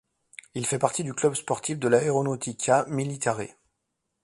Il fait partie du club sportif de l'Aeronautica Militare.